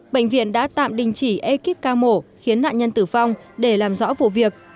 bệnh viện đã tạm đình chỉ ekip ca mổ khiến nạn nhân tử vong để làm rõ vụ việc